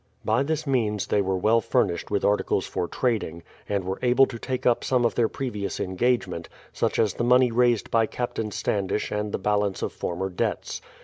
By this means they were well furnished with articles for trading, and were able to take up some of their previous engagement, such as the money raised by Captain Standish and the balance of former debts.